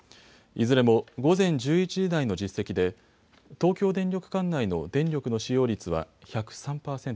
いずれも午前１１時台の実績で東京電力管内の電力の使用率は１０３％に。